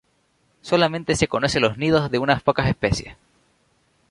Solamente se conocen los nidos de unas pocas especies.